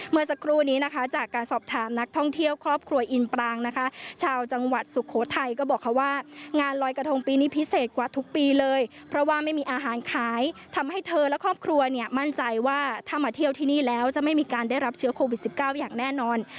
เมื่อสักครู่นี้นะคะจากการสอบถามนักท่องเที่ยวครอบครัวอินปรางนะคะชาวจังหวัดสุโขทัยก็บอกเขาว่างานลอยกระทงปีนี้พิเศษกว่าทุกปีเลยเพราะว่าไม่มีอาหารขายทำให้เธอและครอบครัวเนี่ยมั่นใจว่าถ้ามาเที่ยวที่นี่แล้วจะไม่มีการได้รับเชื้อโควิด๑๙อย่างแน่นอน